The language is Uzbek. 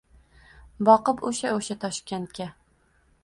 Boqib oʻsha… oʻsha Toshkandga